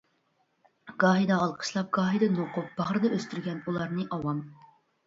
گاھىدا ئالقىشلاپ گاھىدا نوقۇپ، باغرىدا ئۆستۈرگەن ئۇلارنى ئاۋام.